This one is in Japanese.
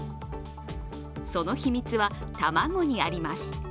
その秘密は、卵にあります。